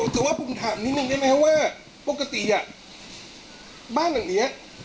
ตัวผมถามนิดหนึ่งได้ไหมว่าปกติอ่ะบ้านแหละเนี้ย